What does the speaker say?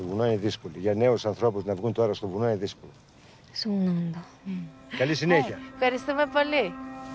そうなんだ。